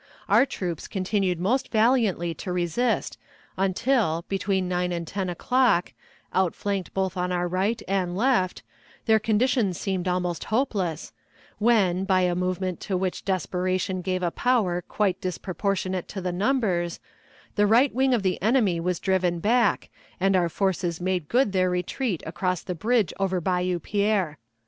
Our troops continued most valiantly to resist until, between nine and ten o'clock, outflanked both on our right and left, their condition seemed almost hopeless, when, by a movement to which desperation gave a power quite disproportionate to the numbers, the right wing of the enemy was driven back, and our forces made good their retreat across the bridge over Bayou Pierre.